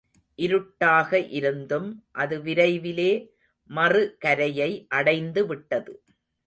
இருட்டாக இருந்தும் அது விரைவிலே மறு கரையை அடைந்துவிட்டது.